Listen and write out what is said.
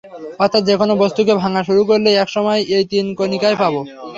অর্থাৎ যেকোনো বস্তুকে ভাঙা শুরু করলে একসময় এই তিন কণিকাই পাব।